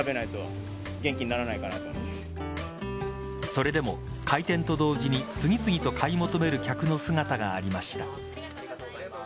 それでも開店と同時に次々と買い求める客の姿がありました。